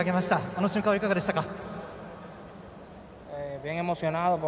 あの瞬間はいかがでしたか。